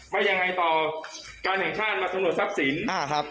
มายังไงต่อการแห่งชาติมากำหนดทรัพย์สินอ่าครับ